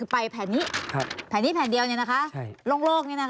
แผ่นเดียวโล่ง